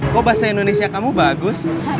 kok bahasa indonesia kamu bagus